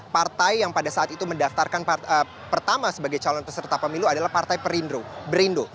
partai yang pada saat itu mendaftarkan pertama sebagai calon peserta pemilu adalah partai perindo